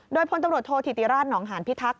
โดยพลตำรวจโทษธิติราชหนองหานพิทักษ